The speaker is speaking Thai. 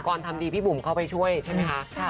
ทำดีพี่บุ๋มเข้าไปช่วยใช่ไหมคะ